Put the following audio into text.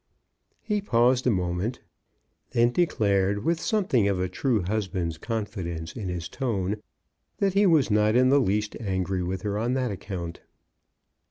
He paused a moment, and then declared, with some thing of a true husband's confidence in his tone, that he was not in the least angry with her on that account.